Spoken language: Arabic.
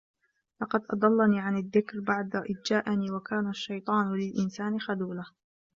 لَقَد أَضَلَّني عَنِ الذِّكرِ بَعدَ إِذ جاءَني وَكانَ الشَّيطانُ لِلإِنسانِ خَذولًا